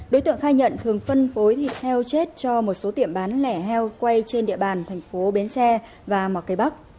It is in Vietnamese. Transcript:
đối tượng khai nhận thường phân phối thịt heo chết cho một số tiệm bán lẻ heo quay trên địa bàn thành phố bến tre và mỏ cây bắc